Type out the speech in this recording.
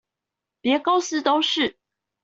連公司都是？